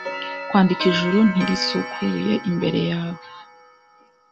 kwandika Ijuru ntirisukuye imbere yawe